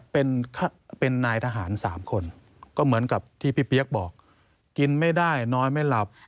เป็นนายทหาร๓คนก็เหมือนกับที่พี่เปี๊ยกบอกกินไม่ได้นอนไม่หลับ